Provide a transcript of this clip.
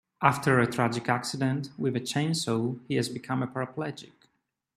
After a tragic accident with a chainsaw he has become a paraplegic.